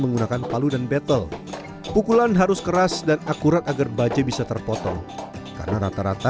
menggunakan palu dan battle pukulan harus keras dan akurat agar baja bisa terpotong karena rata rata